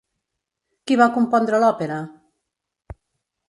Qui va compondre l'òpera?